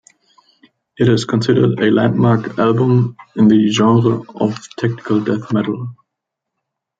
It is considered a landmark album in the genre of technical death metal.